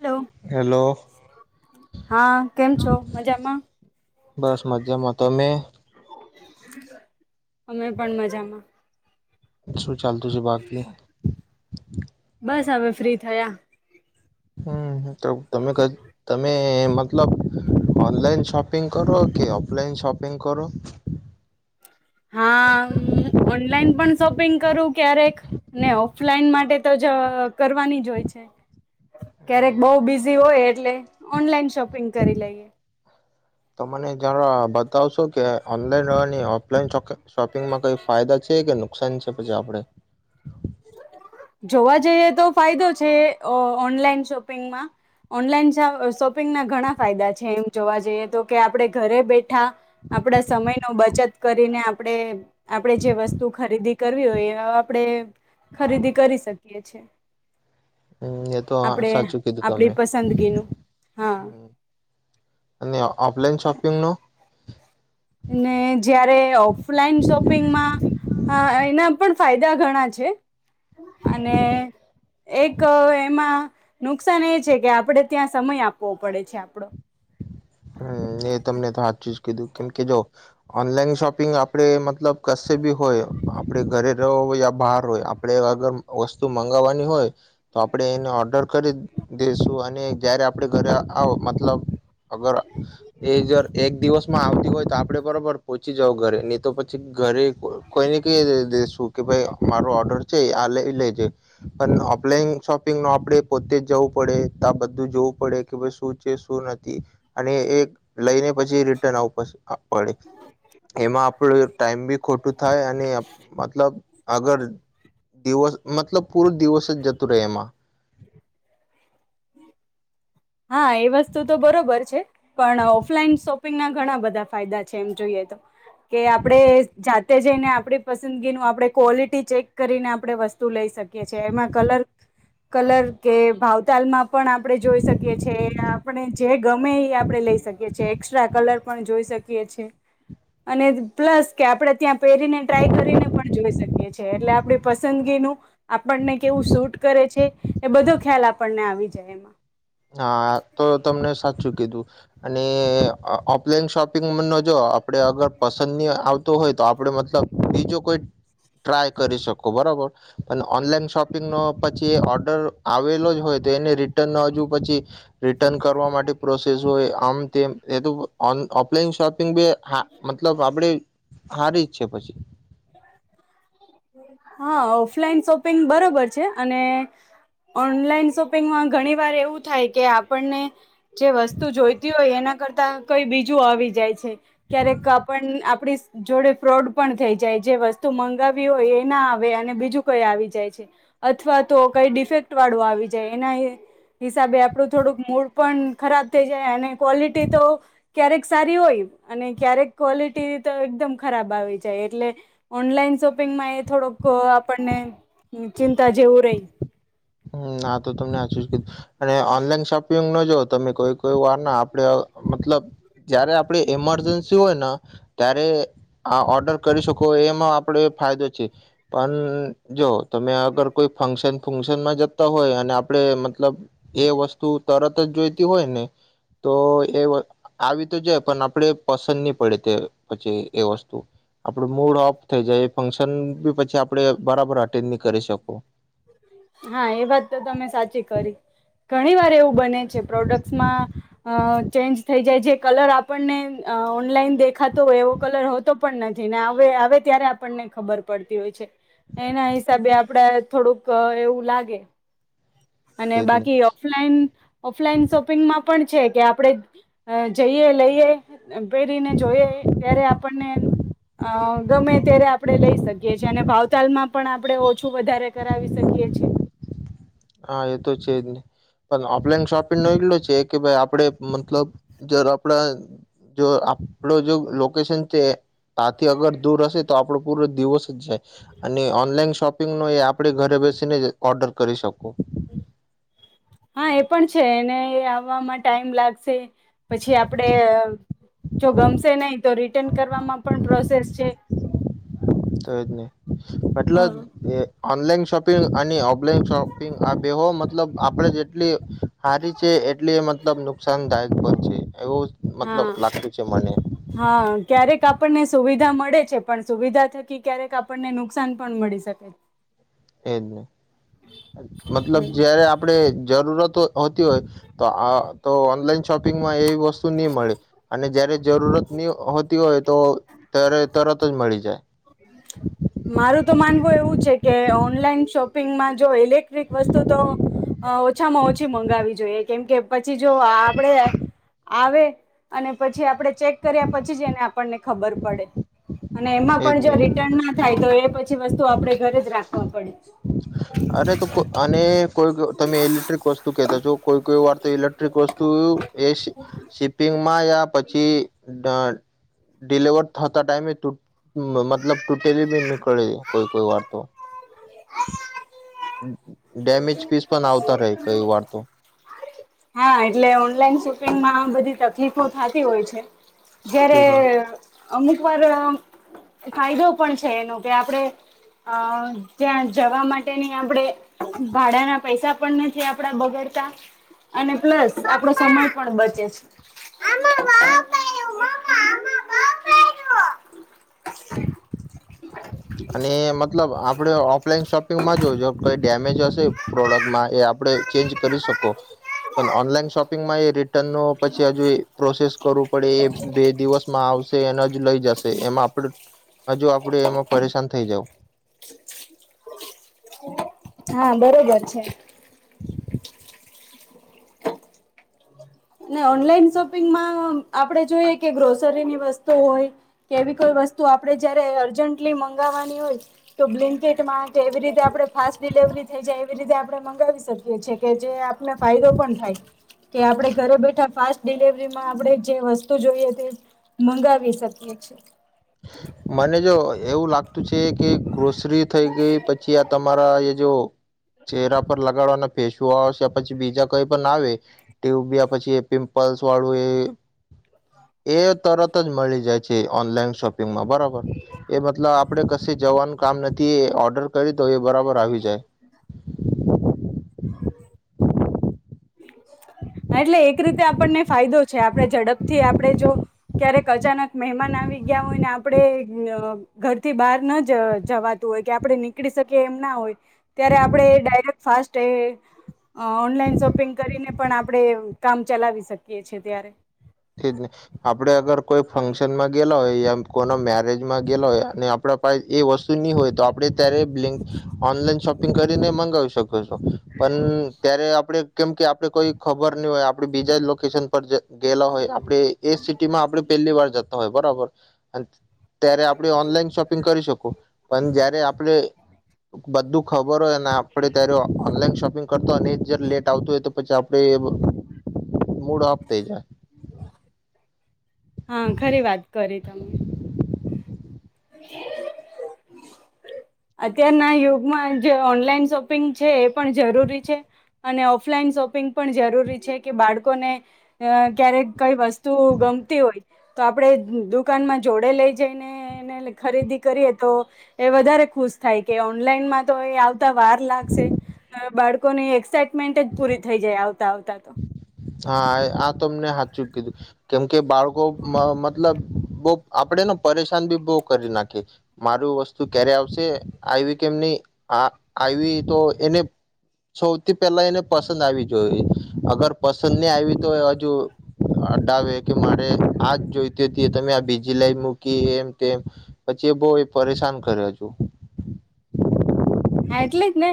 Hello hello હા કેમ છો મજામાં બસ મજામાં તમે અમે પણ મજામાં. શું ચાલતું છે બાકી બસ હવે ફ્રી થયા. હમ તો તમે ક તમે મતલબ ઓનલાઈન શોપિંગ કરો કે ઓફલાઈન શોપિંગ કરો. હા ઓનલાઈન પણ શોપિંગ કરું. ક્યારેક ને ઓફલાઈન માટે તો જ કરવાની જ હોય છે. ક્યારેક હમ બઉ બિઝી હોય એ ટલે ઓનલાઇન શોપિંગ કરી લઈએ. તો મને જરા બતાવશો કે ઓનલાઈનવાની ઓફલાઈન શોપિંગમાં કઈ ફાયદા છે કે નુકસાન છે પછી આપડે જોવા જઈએ તો ફાયદો છે અ ઓનલાઈન શોપિંગમાં ઓનલાઈન શોપિંગના ઘણા ફાયદા છે એમ જોવા જઈએ તો કે આપડે ઘરે બે ઠા આપડા સમય નો બચત કરીને આપડે આપડે જે વસ્તુ ખરીદી કરવી હોય એ આપડે ખરીદી શકીએ છે. હમ એ તો આપડે સાચું કીધું તમે આપડી પસંદગીનું હા ઓનલાઈન શોપિંગનો ને જ્યારે ઓફલાઈન શોપિંગમાં એના પણ ફાયદા ઘણા છે અને એક એમાં નકસાન એ છે કે આપડે ત્યાં સમય આપવો પડે છે આપડો હમ એ તમને તો હાચુ જ કીધું કેમ કે જો ઓનલાઈન શોપિંગ આપ પણેે મતલબ કસે ભી હોય આપ આપણે ઘરે રહો યા બહાર હોય આપણે અગર વસ્તુ મંગાવવાની હોય તો આપડે એને ઓર્ડર કરી દેશું. આ અને જયારે આપડે ઘરે આવ મતલબ અગર એ જર એક દિવસમાં આવતી હોય તો આપડે બરોબર પોહોંચી જાવ ઘરે. નહી તો પછી, ઘરે કો કોઈને કહી દેશું કે ભાઈ મારો ઓર્ડર છે આ લઈ લેજે પણ ઓફલાઈન શોપિંગ નો આપણે પોતે જ જવું પડે. તો બધું જોવું પડે કે ભ શું છે, શું નથી અને એ લઈને પછી રિટર્ન આવું પડશે આપડે એમાં આપડું ટાઈમ બી ખોટું થાય અને મતલબ અગર દિવસ મતલબ કુળ દિવસ જ જતું રે એમાં હા એ વસ્તુ તો બરોબર છે. પણ ઓફલાઈન શોપ પિંગ ના ઘણા બધા ફાયદા છે એમ જોઈએ તો. કે આપડે જાતે જઈને આપડી પસ સંદગીનું આપણે ક્વોલિટી ચેક કરીને આપણે વસ્તુ લઈ શકીએ છીએ. એમાં કલર કલર કે ભાવતાલમાં પણ આપડણે જોઈ શકીએ કે આપણે જે ગમે એ આપણે લઈ શકીએ છીએ. એસ્ટ્રા કલર પણ જોઈ શકીએ છીએ. અને પ્લસ કે આપણે ત્યાં પહેરીને ટ્રાય કરીને પણ જોઈ શકીએ છીએ. એટલે આપડી પસંદગીનું આપણને કેવું સુટ કરે છે, એ બધો ખ્યાલ આપણને આવી જાય એમ હા તો તમને સાચું કીધું અને ઓ ઓફલાઈન શોપિંગ માજો આપણે અગર પસંદની આવતો હોય તો આપણે મતલબ બીજુ કોઈ ટ્રાય કરી શકો બરોબર. અને ઓનલાઈન શોપિંગ નો પછી ઓર્ડર આવેલો જ હોય તો એને રિટર્ન હજુ પછી રિટન કરવા માટે પ્રોસેસ હોય આમ તેમ તે તુ ઓન ઓફલાઈન શોપ પિંગબી હા મતલબ આપડી હારીજ છે પછી હા ઓફલાઈન શોપિંગ બરોબર છે. અને ઓનલાઈન શોપિંગમાં ઘણી વાર એવું થાય કે આપણને જે વસ્તુ જોઈતી હોય એના કરતા કઈ બીજું આવી જાય છે. ક્યારેક આપણ આપડી જોડે ફ્રોડ પણ થઈ જાય જે વસ્તુ મંગાવી હોય એ ના આવે અને બીજું કઈ આવી જાય છે. અથવા તો કઈ ડિફેક્ટ વાળું આવી જાય. એના હિ હિસાબે આપણું થોડુંક મૂળ પણ ખરાબ થઈ જાય. અને ક્વોલિટી તો ક્યારેક સારી હોય. અને ક્યારેક ક્વોલિટી તો એકદમ ખરાબ આવી જાય. એટલે ઓનલાઈન શોપિંગમાં એ થોડોક અ આપણને ચિંતા જેવું રહી હમ્મ આ તો તમને હાચુંજ કી અને ઓનલાઈન શોપિંગનો જો તમે કોઈ કોઈ વાર ના આપડે ઓ મતલબ જયારે આપડે ઇમરજન્સી હોયને ત્યારે આ ઓર્ડર કરી શકો એમાં આપણે ફાયદો છે. પણ જો તમે અગર કોઈ ફક્શન ફશન શનમાં જતા હોય અને આપડે મતલબ એ વસ્તુ તરત જ જોઈતી હોય ને તો એ આવી તો જાય પણ આપડે પસંદ નહી પડે તે પછી એ વસ્તુ આપડું મૂડ ઓફ થઈ જાય એ ફક્શન બી પછી આપડે બરાબર કરી શકો હા એ વાત તો તમે સાચી કરી ઘણી વાર એવું બને છે પ્રોડક્ટ્સમાં ચેન્જ થઈ જાય જે કલર આપણને ઓનલાઈન દેખાતો હોય એવો કલર હોતો પણ નથી ને આવે ત્યારે આપણને ખબર પડતી હોય છે એના હિસાબે આપડે થોડુંક એવું લાગે અને એજ ને બાકી ઓફલાઈન ઓફલાઈન શોપિંગમાં પણ છે કે આપડણે જઈએ લઈએ પહેરીને જોઈ ત્યારે આપણને અ ગમે ત્યારે આપડણે લઈ કી અને ભાવતાલ માં પણ આપ આપડે ઓછું વધારે કરાવી શકીએ છીએ હા એ તો છે જ નહી પણ ઓફલાઈન શોપિંગ નો એટલો છે કે ભાઈ આપડ મતલબ જ આપડા જો આપડો જો લોકેશન તે ત્યાથી અગર દૂર હશે તો આપડું પૂરો દિવસ જ જાય અને ઓનલાઈન શોપિંગ નો એ આપ આપણે ઘરે બેસીને જ ઓર્ડર કરી શકોું. [inaudible] હા એ પણ છે એને આવવામાં ટાઈમ લાગશે પછી આપડે જો ગમશે નહી તો રિટર્ન કરવામાં પણ પ્રોસેસ છે તો એ જ નહી એટલે હા એ. ઓનલાઈન શોપિંગ અને ઓફલાઈન શોપિંગ આ બેહો મતલબ આપડણે જેટલી સારી છે એટલે મતલબ નુકસાનદાયક પણ છે એવું મતલબ લાગતું છે મને હા ક્યારેક આપણને સુવિધા મળે છે પણ સુવિધા થકી ક્યારેક આપણને નુકસાન પણ મળી શકે એજ નહી મતલબ હમ જયારે આપણેે જરૂરત હો હોય તો ઓનલાઈન શોપિંગમાં એ વસ્તુ નહી મળે અને જ જરૂરત ની હોતી હોય. તો ત્યારે તરત જ મળી જાય મારું તો માનવું એવું છે કે ઓનલાઈન શોપિંગમાં જો ઇલે વસ્ત ઓછામાં ઓછી મગાવી જોઈએ કેમ કેછ કી જો આપડે આવે અને પછી આપડે ચેક કર્યા પછી જ એને આપણને ખબર પડે અને એમાં એજ પણ જો ને રિટર્ન ના એ પછી વસ્ તો આપડે ઘરે જ રાખવા પડે. અરે, તો અને કોઈ તમે ઇલેક્ટ્રિક વસ્તુ કેતો છો? કોઈ કોઈ વાર તો ઇલેક્ટ્રિક વસ્તુ. શિપિંગમાં યા પછી. ડિલીવર થતા ટાઈમે, મતલબ ટૂટેલી ભી નીકળે, કોઈ કોઈ વાર તો. [unintelligible] હમ્મ ડેમેજ પીસ પણ આવતા રહે, કોઈ વાર તો. હા, એટલે ઓનલાઈન શોપિંગમાં બધી તકલીફો થતી હોય છે. જયારે. તેજ ને અમુક વાર ફાયદો પણ છે, એનો કે આપણે અ ત્યાં જવા માટેની આપણેે ભાડાના પૈસા પણ નથી આપડા, બગડતા. અને પ્લસ આપડો સમય પણ બચે છે. [inaudible] હમ્મ અને મતલબ આપડે ઓફલાઈન શોપિંગ. એમાં જોજો. કઈ ડેમેજ હશે, પ્રોડક્ટમાં એ આપડણે ચેન્જ કરી શકો, પણ ઓનલાઈન શોપિંગમાં એ રિટર્ન ન પછી હજુ એ પ્રોસેસ કરું. પડે એ બે દિવસમાં. આવશે એને જ લઈ જશે, એમાં આપડે હજુ આપડે એમાં પરેશાન થઈ જાવ. હા [unintelligible] ઓનલાઈન શોપિંગમાં આપણે જોઈએ, કે ગ્રોસરીની વસ્તુ હોય કેવી કોઈ વસ્તુ, આપણે જયારે અર્જન્ટલી મંગાવવાની હોય, તો બ્લેન્કેટમાં કે એવી રીતે આપણે ફાસ્ટ ડિલેવરી થઈ જાય, એવી રીતે આપણે મંગાવી શકીએ છેએ કે? જે આપને ફાયદો પણ થાય કે આપડે. તો ફાસ્ટ ડિલવરીમાં આપણે જે વસ્તુ જોઈએ, તે મંગાવી શકીએ છીએ. મને જો એવું લાગતું. છે કે ગ્રોસરી થઈ ગઈ, પછી આ તમારા એ જો ચહેરા પર લગાડવાના. ફેસ વોશ પછી બીજા કઈ પણ આવે, ટ્યુબ પછી પિમ્પલ્સ વાળું એ એ તરત જ મળી જાય છે, ઓનલાઈન શોપિંગ. હા, બરાબર. એ મતલબ આપડે કશે જવાનું કામ નથી, એ ઓર્ડર કરી તો એ બરાબર આવી જાય. હા, એટલે એક રીતે આપણને ફાયદો છે. આપણે ઝડપથી, આપણે જો ક્યારેક અચાનક મહેમાન આવી ગયા હોય ને આપણે ઘરથી બહાર ના જ જવાતું હોય કે આપણે નીકળી શકીએ એમ ના હોય ત્યારે આપણે ડાયરેક્ટ ફાસ્ટ એ. ઓનલાઈન શોપિંગ કરીને પણ આપણે કામ ચલાવી શકીએ છીએ ત્યારે. જ આપડે અગર કોઈ ફંક્શન માં ગેલા હોય, યા કોના મેરેજમાં ગે હોય અને આપણા પાસે એ વસ્તુ નહીં હોય, તો આપડે. [inaudible] Online shopping. કરીને મંગાવી શકો. પણ ત્યારે આપડે. કેમ કે આપડે કોઈ ખબર નહીં હોય, આપડે બીજા લોકેશન પર ગેલા હોય. એ સિટી માં આપડે પહેલી વાર જ. જતા હોય બરાબર ત્યારે આપણે ઓનલાઈન શોપિંગ કરી શકું, પણ જયારે આપડે બધું ખબર હોયને આપણે ત્યારે ઓનલાઈન શોપિંગ કરતો અને જ લેટ આવતો હોય તો પછી એ એ મૂડ ઓફ થઈ જાય. હા ખરી વાત કરી તમે. અત્યારના યુગમાં જે ઓનલાઈન શોપિંગ છે એ પણ જરૂરી છે. અને ઓફલાઈન શોપિંગ પણ જરૂરી છે, કે બાળકોને ક્યારેક કઈ વસ્તુ ગમતી હોય તો આપડે દુકાનમાં જોડે લઈ જઈને ખરીદી કરીએ તો એ વધારે ખુશ થાય કે, ઓનલાઈનમાં તો એ આવતા વાર લાગશે બાળકોને એક્સાઇટેડમેન્ટ જ પૂરી થઈ જાય આવ આવતા આવતા તો. હા આ તમને હાચું કીધું કેમ કે બાળકો મતલબ બહુ આપડે ને પરેશાન બી બહ કરી નાખી. મારું વસ્તુ ક્યારે આવશે, આવી કેમ નહી, આ આવી તો એને સૌથી પહેલા એને પસંદ આવી જોઈ અગર પસંદ નહી આવી તો હજુ અડાવે કે મારે આજ જોઈતી હતી. તમે આ બીજી લાઈન મૂકી એમ તેમ પછી એ બો એ પરેશાન કરે હજુ. હા એટલે જ ને!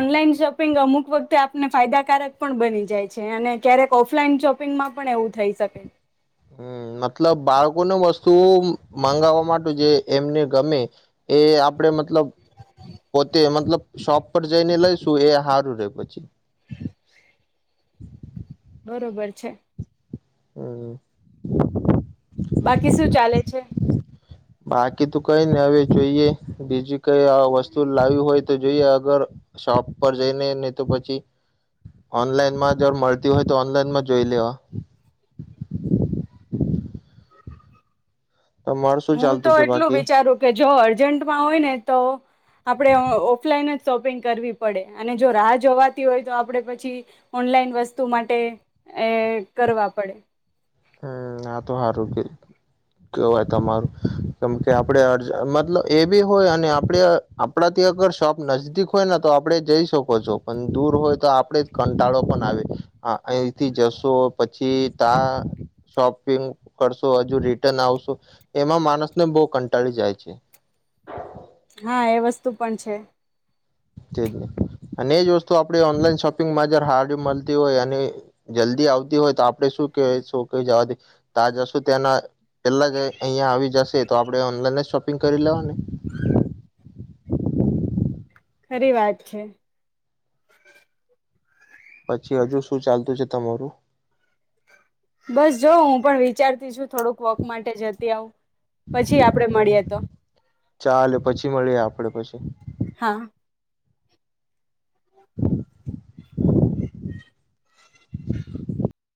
ઓનલાઈન શોપિંગ શોપિંગ અમુક વખતે આપને ફાયદાકારક પણ બની જાય છે. અને ક્યારેક ઓફલાઈન શોપિંગમાં પણ એવું થઈ શકે. હમ મતલબ બાળકોને વસ્તુ મગાવવા માટે જે એમને ગમે એ આપડે મતલબ પોતે મતલબ શોપ પર જઈને લઈશું એ હારું રે પછી. બરોબર છે. હમ્મ. બાકી શું ચાલે છે? બાકી તો કઈ નહિ. હવે જોઈએ બીજી કઈ વસ્તુ લાવી હોય તો, જોઈએ અગર શોપ પર જઈને ને તો પછી, ઓનલાઈનમાં જ મળતી હોય તો ઓનલાઈનમાં જોઈ લેવા. તમાર શું હું તો ચાલતું છે એટલું બાકી વિચારું કે જો અર્જન્ટમાં હોય ને તો આપણે ઓફલાઈન જ શોપિંગ કરવી પડે. અને જો રાહ જોવાતી હોય તો આપણે પછી ઓનલાઈન વસ્તુ માટે એ કરવા પડે. હમ આ તો સારું કે કેવાય તમારું કેમ કે આપડે અ મતલબ એ બી હોય અને આપડ આપણાથી અગર શોપ નજદીક હોય ને તો આપણે જઈ શકો છો. પણ દૂર હોય તો આપડે જ કંટાળો પણ આવે અહીથી જશો પછી તા શોપિંગ કરશો, હજુ રિટર્ન આવશો. એમાં માણસને બહુ કંટાળી જાય છે. હા એ વસ્તુ પણ છે. તેજ ને અને એજ વસ્તુ આપણે ઓનલાઈન શોપિંગમાં જ હારું મળતી હોય અને જલ્દી આવતી હોય તો આપણે શું કેવાય શ ક જવાથી તા જશો ત્યાંના પેલા જ અહીંયા આવી જશે તો આપણે ઓનલાઈન શોપિંગ કરી લેવાં ખરી વાત છે. પછી હજુ શું ચાલતું છે તમારું! બસ જોવ હું પણ વિચારતી છું થોડુંક વોક માટે જતી આવું. પછી આપડે મળીએ તો. ચાલે પછી મળીએ આપડે પછી. હાં.